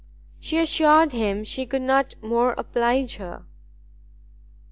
She assured him he could not more oblige her.